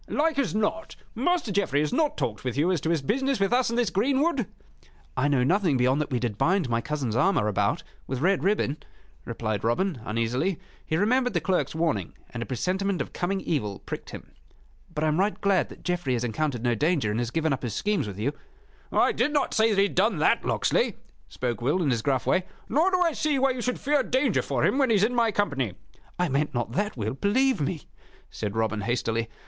"Like as not, Master Geoffrey has not talked with you as to his business with us in this greenwood?" "I know nothing beyond that we did bind my cousin's armor about with red ribbon," replied Robin, uneasily. He remembered the clerk's warning, and a presentiment of coming evil pricked him. "But I am right glad that Geoffrey has encountered no danger, and has given up his schemes with you." "I did not say that he had done that, Locksley," spoke Will, in his gruff way. "Nor do I see why you should fear danger for him when he is in my company." "I meant not that, Will, believe me," said Robin, hastily.